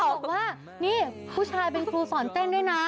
บอกว่านี่ผู้ชายเป็นครูสอนเต้นด้วยนะ